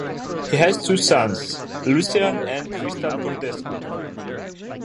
He has two sons, Lucian and Tristan Codrescu.